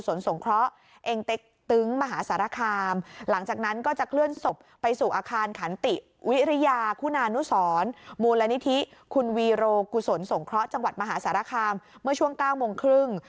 กุศลสงเคราะห์จังหวัดมหาสารคามเมื่อช่วง๙โมงครึ่ง